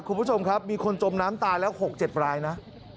คุณผู้ชมครับมีคนจมน้ำตายแล้ว๖๗รายนะ